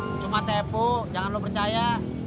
nggak mati epok jangan lo percaya